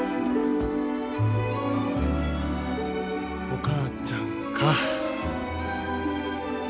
お母ちゃんか。